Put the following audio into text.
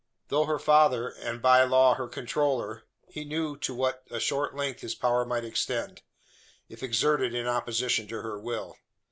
Though her father, and by law her controller, he knew to what a short length his power might extend, if exerted in opposition to her will.